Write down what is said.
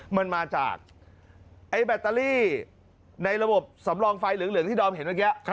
มันมาจากไอ้แบตเตอรี่ในระบบสำรองไฟเหลืองที่ดอมเห็นเมื่อกี้